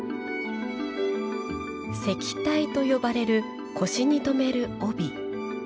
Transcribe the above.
石帯と呼ばれる、腰に留める帯。